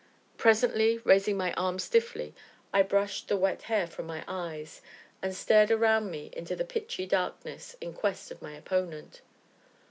Presently, raising my arm stiffly, I brushed the wet hair from my eyes, and stared round me into the pitchy darkness, in quest of my opponent.